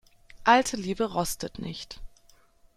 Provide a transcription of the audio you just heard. Alte Liebe rostet nicht.